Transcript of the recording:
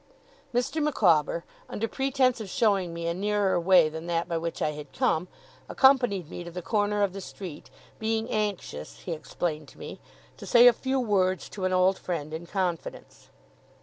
Mr. Micawber, under pretence of showing me a nearer way than that by which I had come, accompanied me to the corner of the street; being anxious (he explained to me) to say a few words to an old friend, in confidence.